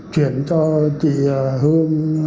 chuyển cho chị hương